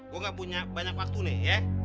gue gak punya banyak waktu nih ya